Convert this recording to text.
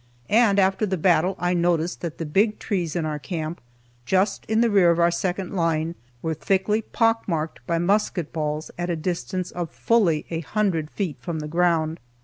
And after the battle I noticed that the big trees in our camp, just in the rear of our second line, were thickly pock marked by musket balls at a distance of fully a hundred feet from the ground.